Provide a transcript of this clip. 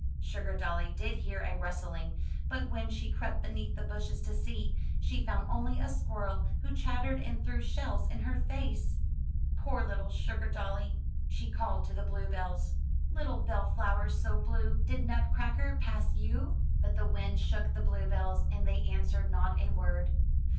Sugardolly did hear a rustling, but when she crept beneath the bushes to see, she found only a squirrel who chattered and threw shells in her face. Poor little Sugardolly! She called to the bluebells: "Little bell flowers so blue, Did Nutcracker pass you?" 97 MY BOOK HOUSE But the wind shook the bluebells, and they answered not a word.